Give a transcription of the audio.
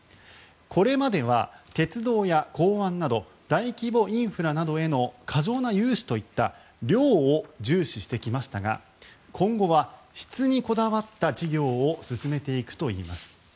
これまでは鉄道や港湾など大規模インフラなどへの過剰な融資といった量を重視してきましたが今後は質にこだわった事業を進めていくといいます。